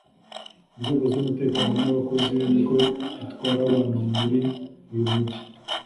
inzego z’umutekano n’abayobozi b’ibigo bitwara abantu muri uyu Mujyi